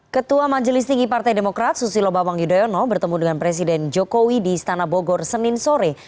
ketua majelis tinggi partai demokrat susilo bambang yudhoyono bertemu dengan presiden jokowi di istana bogor senin sore